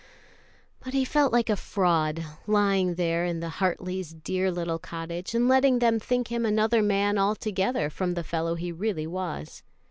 But he felt like a fraud, lying there in the Hartleys' dear little cottage, and letting them think him another man altogether from the fellow he really was.